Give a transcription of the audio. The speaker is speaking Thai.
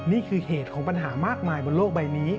นี่คือเหตุของปัญหามากมายบนโลกใบนี้